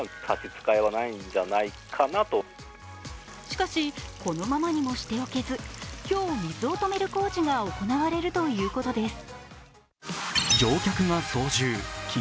しかし、このままにもしておけず今日、水を止める工事が行われるということです。